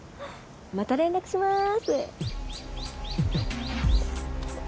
また連絡しまーす。